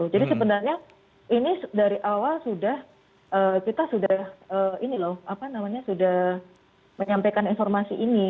jadi sebenarnya ini dari awal sudah kita sudah menyampaikan informasi ini